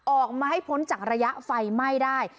ออกมาให้พ้นจากระยะไฟไหม้ได้